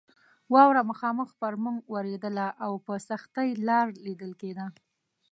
واوره مخامخ پر موږ ورېدله او په سختۍ لار لیدل کېده.